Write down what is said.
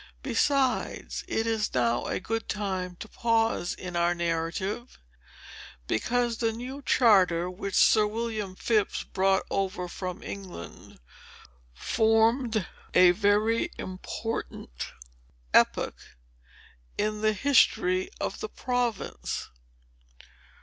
Besides, it is now a good time to pause in our narrative; because the new charter, which Sir William Phips brought over from England, formed a very important epoch in the history of the province."